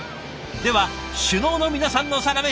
では首脳の皆さんのサラメシを。